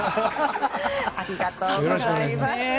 ありがとうございます。